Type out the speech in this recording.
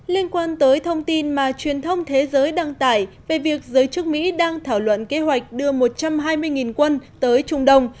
liên quan tới thông tin mà truyền thông thế giới đăng tải về việc giới chức mỹ đang thảo luận kế hoạch đưa một trăm hai mươi quân tới trung đông